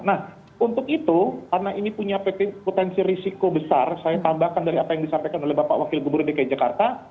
nah untuk itu karena ini punya potensi risiko besar saya tambahkan dari apa yang disampaikan oleh bapak wakil gubernur dki jakarta